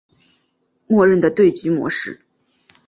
默认的对局模式。